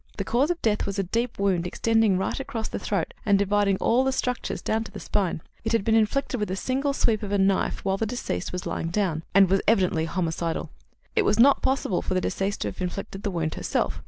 The cause of death was a deep wound extending right across the throat and dividing all the structures down to the spine. It had been inflicted with a single sweep of a knife while deceased was lying down, and was evidently homicidal. It was not possible for the deceased to have inflicted the wound herself.